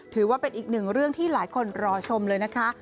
ถือว่าเป็นอีกหนึ่งเรื่องที่หลายคนรอชมเลยนะคะ